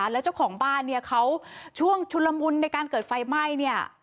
และเจ้าของบ้านเขาช่วงชุนละมุนในการเกิดไฟไหม้